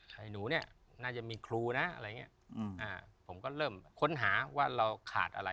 ให้หนูเนี่ยน่าจะมีครูนะอะไรอย่างเงี้ยผมก็เริ่มค้นหาว่าเราขาดอะไร